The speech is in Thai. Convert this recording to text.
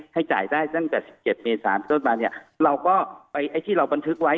ให้จ่ายได้ตั้งแต่สิบเกียรติเปรย์สาแล้วก็ไปไอ้ที่เราบันทึกไว้